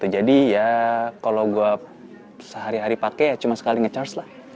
jadi ya kalau gue sehari hari pakai ya cuma sekali nge charge lah